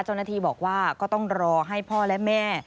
เจ้าหน้าที่บอกว่าก็ต้องรอให้พ่อและแม่